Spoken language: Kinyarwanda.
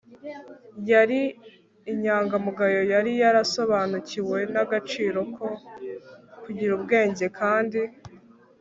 yari inyangamugayo, yari yarasobanukiwe n'agaciro ko kugira ubwenge kandi